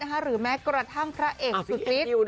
หรือแม้กระทั่งพระเอกสุดฤทธิ์